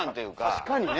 確かにね。